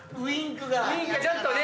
ウインクがちょっとね